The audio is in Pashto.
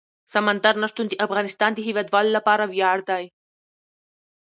سمندر نه شتون د افغانستان د هیوادوالو لپاره ویاړ دی.